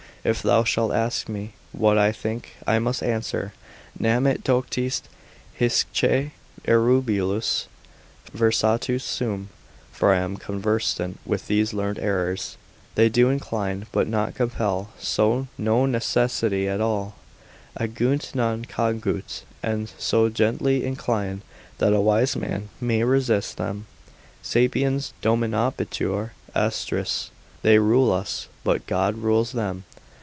If thou shalt ask me what I think, I must answer, nam et doctis hisce erroribus versatus sum, (for I am conversant with these learned errors,) they do incline, but not compel; no necessity at all: agunt non cogunt: and so gently incline, that a wise man may resist them; sapiens dominabitur astris: they rule us, but God rules them.